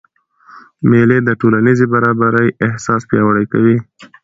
مېلې د ټولنیزي برابرۍ احساس پیاوړی کوي.